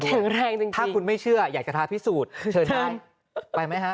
แข็งแรงจริงถ้าคุณไม่เชื่ออยากจะท้าพิสูจน์เชิญได้ไปไหมฮะ